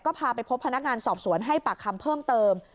ก็พาไปพบพนักงานสอบสวนให้ปากคำเพิ่มเติม